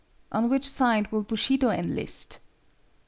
On which side will Bushido enlist?